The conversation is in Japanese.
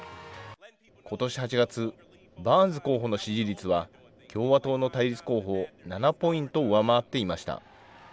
ことし８月、バーンズ候補の支持率は、共和党の対立候補を７ポイント上回っていました。